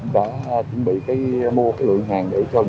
tại hầu như tất cả hệ thống mua sắm trên địa bàn thành phố hồ chí minh